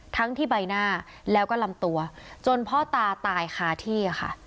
ทั้งที่ใบหน้าแล้วก็ลำตัวจนพ่อตาตายคาที่ค่ะ